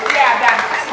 keberanian buat ustaz